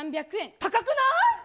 高くない？